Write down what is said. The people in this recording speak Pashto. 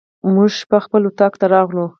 موږ شپې خپل اطاق ته راغلو.